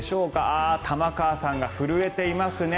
ああ、玉川さんが震えていますね。